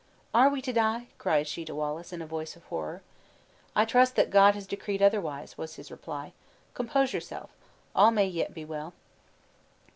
"Are we to die?" cried she to Wallace, in a voice of horror. "I trust that God has decreed otherwise," was his reply. "Compose yourself; all may yet be well."